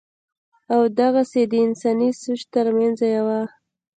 او دغسې دَانساني سوچ تر مېنځه يوه